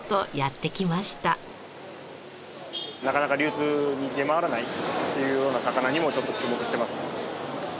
なかなか流通に出回らないっていうような魚にもちょっと注目してますね。